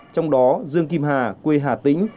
trong đó dương kim hà quê hà tây